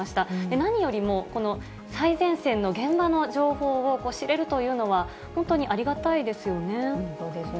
何よりも、この最前線の現場の情報を知れるというのは、本当にありがたいですよね。